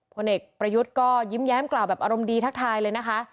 ผลเอกประยุทธ์ก็ยิ้มแย้มกล่าวแบบอารมณ์ดีทักทายเลยนะคะ